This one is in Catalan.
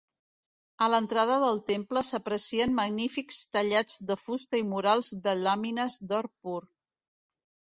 A l'entrada del temple s'aprecien magnífics tallats de fusta i murals de làmines d'or pur.